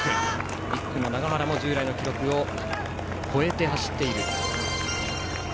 １区の永原も従来の記録を超えて走っている。